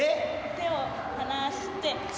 手を離して。